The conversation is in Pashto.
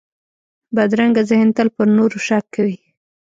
بدرنګه ذهن تل پر نورو شک کوي